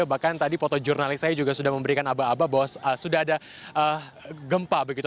bahkan tadi foto jurnalis saya juga sudah memberikan aba aba bahwa sudah ada gempa begitu